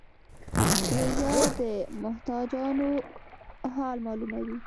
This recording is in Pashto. روژه د محتاجانو حال معلوموي.